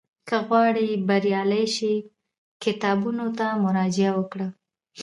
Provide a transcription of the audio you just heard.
که غواړې بریالی شې، کتابونو ته مراجعه وکړه.